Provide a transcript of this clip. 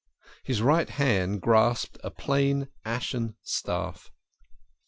His right hand grasped a plain ashen staff.